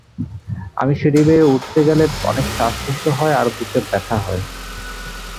আমি সিঁড়ি বেয়ে উঠতে গেলে অনেক শ্বাস কষ্ট হয় আর বুকে ব্যথা হয়।